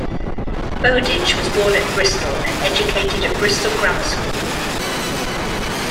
Bowdich was born at Bristol and educated at Bristol Grammar School.